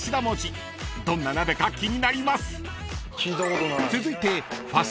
［どんな鍋か気になります］